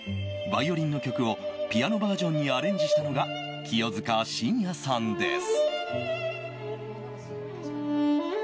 バイオリンの曲をピアノバージョンにアレンジしたのが清塚信也さんです。